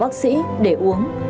bác sĩ để uống